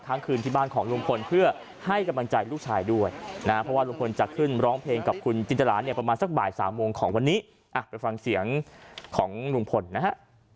ทั้งคืนที่บ้านของลุงพลเพื่อให้กำลังใจลูกชายด้วยนะเพราะว่าลุงพลจะขึ้นร้องเพลงกับคุณจินตราเนี่ยประมาณสักบ่ายสามโมงของวันนี้ไปฟังเสียงของลุงพลนะฮะ